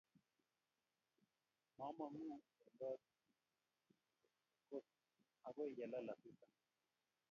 Mamang'u eng' kot akoy yelal asista